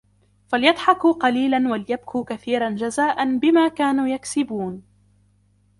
فليضحكوا قليلا وليبكوا كثيرا جزاء بما كانوا يكسبون